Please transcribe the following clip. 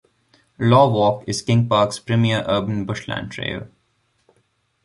Law Walk is Kings Park's premier urban bushland trail.